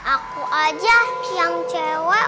aku aja yang cewek